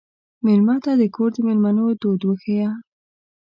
مېلمه ته د کور د مېلمنو دود وښیه.